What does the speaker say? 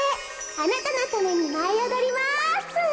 あなたのためにまいおどります！